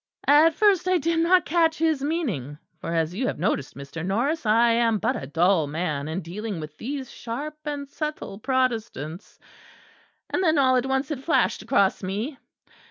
"At first I did not catch his meaning; for, as you have noticed, Mr. Norris, I am but a dull man in dealing with these sharp and subtle Protestants: and then all at once it flashed across me.